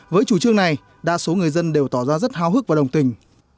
với chủ trương này đa số người dân đều tỏ ra rất hào hức và đồng tình